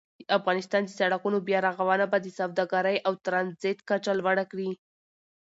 د افغانستان د سړکونو بیا رغونه به د سوداګرۍ او ترانزیت کچه لوړه کړي.